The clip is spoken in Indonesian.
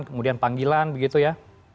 kemudian panggilan begitu ya